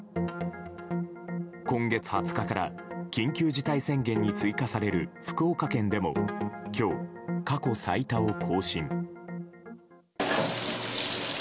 今月２０日から緊急事態宣言に追加される福岡県でも今日、過去最多を更新。